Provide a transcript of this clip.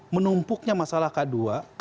menumpuknya masalah k dua k satu